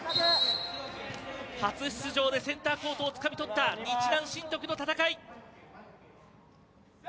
初出場でセンターコートをつかみ取った日南振徳の戦い。